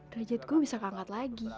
derajat gue bisa keangkat lagi